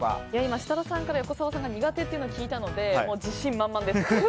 設楽さんから横澤さんが苦手ということを聞いたので自信満々です。